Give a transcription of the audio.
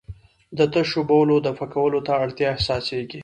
د تشو بولو دفع کولو ته اړتیا احساسېږي.